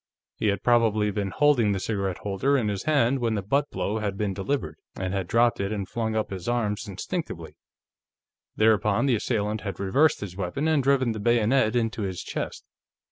He had probably been holding the cigarette holder in his hand when the butt blow had been delivered, and had dropped it and flung up his arms instinctively. Thereupon, his assailant had reversed his weapon and driven the bayonet into his chest.